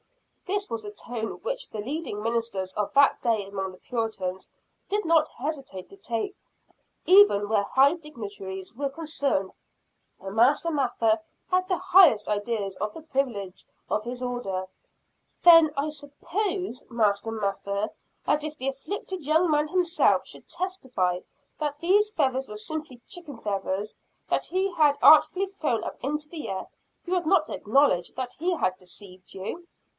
This was a tone which the leading ministers of that day among the Puritans, did not hesitate to take, even where high dignitaries were concerned and Master Mather had the highest ideas of the privilege of his order. "Then I suppose, Master Mather, that if the afflicted young man himself should testify that these feathers were simply chicken feathers, that he had artfully thrown up into the air, you would not acknowledge that he had deceived you?"